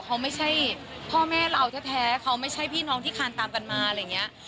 เขาไม่ใช่พ่อแม่เราแท้เขาไม่ใช่พี่น้องที่คานตามกันมาอะไรอย่างนี้